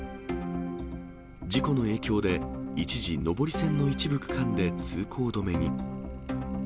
事故の影響で、一時、上り線の一部区間で通行止めに。